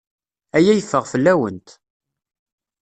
Aya yeffeɣ fell-awent.